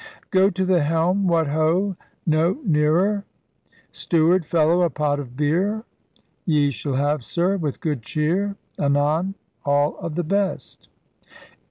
Go to the helm ! What ho ! no neare[r] ! Steward, fellow! a pot of beer! Ye shall have. Sir, with good cheer, Anon all of the best.